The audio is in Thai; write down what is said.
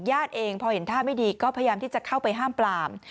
เองพอเห็นท่าไม่ดีก็พยายามที่จะเข้าไปห้ามปลาม